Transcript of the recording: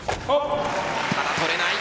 ただ、取れない。